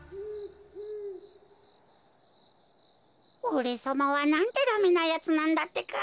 おれさまはなんてダメなやつなんだってか。